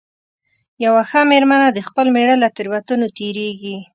یوه ښه مېرمنه د خپل مېړه له تېروتنو تېرېږي.